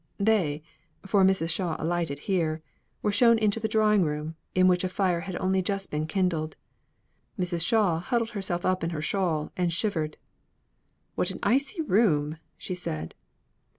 They (for Mrs. Shaw alighted here) were shown into the drawing room, in which a fire had only just been kindled. Mrs. Shaw huddled herself up in her shawl and shivered. "What an icy room!" she said.